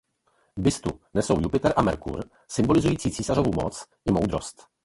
Bustu nesou Jupiter a Merkur symbolizující císařovu moc i moudrost.